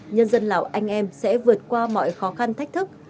nhân dân lào anh em sẽ vượt qua mọi khó khăn thách thức